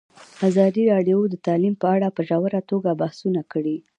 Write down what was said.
ازادي راډیو د تعلیم په اړه په ژوره توګه بحثونه کړي.